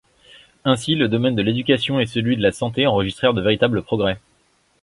Ainsi, le domaine de l’éducation et celui de la santé enregistrèrent de véritables progrès.